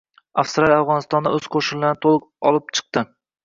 Avstraliya Afg‘onistondan o‘z qo‘shinlarini to‘liq olib chiqdi